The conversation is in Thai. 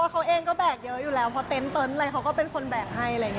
เขาก็แบบคือหลังมันเริ่มไม่ไหวแล้ว